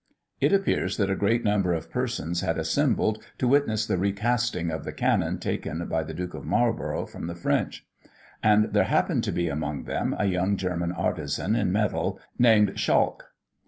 It appears that a great number of persons had assembled to witness the re casting of the cannon taken by the Duke of Marlborough from the French; and there happened to be among them, a young German artisan in metal, named Schalch.